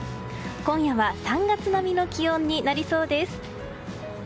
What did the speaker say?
今夜は３月並みの気温になりそうです。